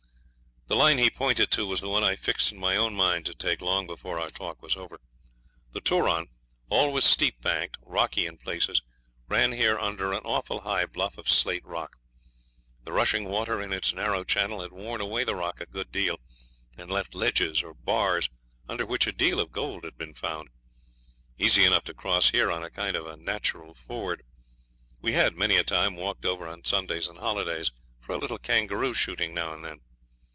The line he pointed to was the one I fixed in my own mind to take long before our talk was over. The Turon, always steep banked, rocky in places, ran here under an awful high bluff of slate rock. The rushing water in its narrow channel had worn away the rock a good deal, and left ledges or bars under which a deal of gold had been found. Easy enough to cross here on a kind of natural ford. We had many a time walked over on Sundays and holidays for a little kangaroo shooting now and then.